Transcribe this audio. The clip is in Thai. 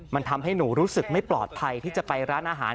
มันทำให้หนูรู้สึกไม่ปลอดภัยที่จะไปร้านอาหาร